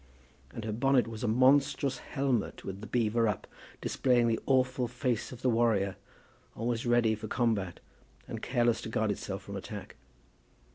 And her bonnet was a monstrous helmet with the beaver up, displaying the awful face of the warrior, always ready for combat, and careless to guard itself from attack.